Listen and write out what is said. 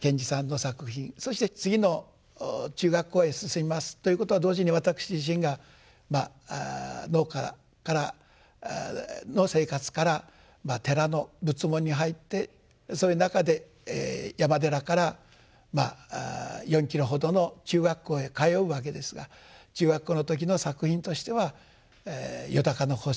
そして次の中学校へ進みますということは同時に私自身が農家の生活から寺の仏門に入ってそういう中で山寺から４キロほどの中学校へ通うわけですが中学校の時の作品としては「よだかの星」。